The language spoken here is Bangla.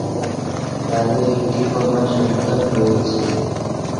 তাঁদের একটি কন্যা সন্তান রয়েছে।